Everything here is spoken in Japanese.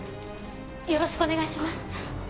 よろしくお願いします。